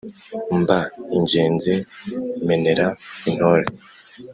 Mba ingenzi menera intore